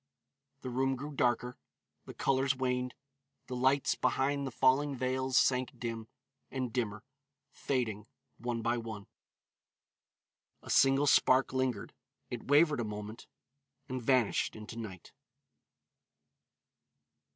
The room grew darker, the colors waned, the lights behind the falling veils sank dim, and dimmer, fading, one by one; a single spark lingered, it wavered a moment, and vanished into night.